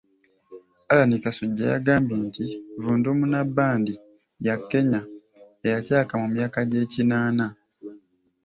Allan Kasujja yagambye nti, "Vundumuna bbandi ya Kenya eyacaaka mu myaka gy'ekinaana"